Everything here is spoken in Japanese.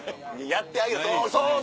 やってあげろそう